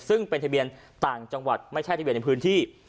ซึ่งเป็นทะเบียนต่างจังหวัดไม่ใช่ทะเบียนในพื้นที่